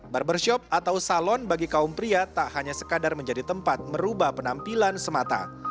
barbershop atau salon bagi kaum pria tak hanya sekadar menjadi tempat merubah penampilan semata